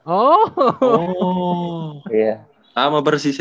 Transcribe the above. oh sama bersih sih